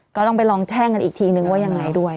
ก็ต้องไปลองแช่งกันอีกทีนึงว่ายังไงด้วย